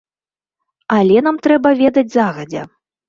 Але нам трэба ведаць загадзя.